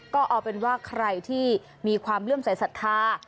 ก็เอาเป็นว่าใครที่มีความเลื่อมสายศรัทธา